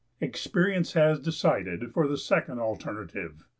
Experience has decided for the second alternative.